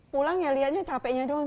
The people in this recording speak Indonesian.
pulang ya lihatnya capeknya doang